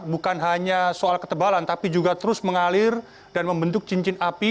bukan hanya soal ketebalan tapi juga terus mengalir dan membentuk cincin api